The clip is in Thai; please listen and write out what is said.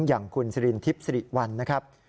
อย่างคุณสิรินทิพย์สิริวัลนะครับ